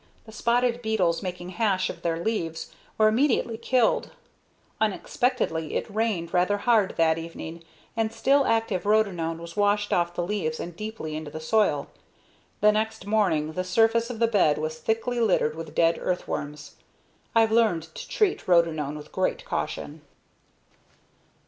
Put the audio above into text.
The spotted beetles making hash of their leaves were immediately killed. Unexpectedly, it rained rather hard that evening and still active rotenone was washed off the leaves and deeply into the soil. The next morning the surface of the bed was thickly littered with dead earthworms. I've learned to treat rotenone with great caution.